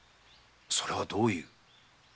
それはどういう？